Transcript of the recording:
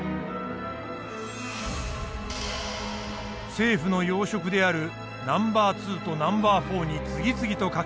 政府の要職であるナンバー２とナンバー４に次々とかけられた疑い。